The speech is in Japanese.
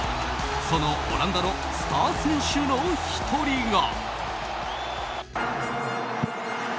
そのオランダのスター選手の１人が。